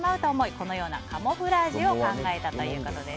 このようなカムフラージュを考えたということです。